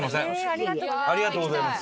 ありがとうございます。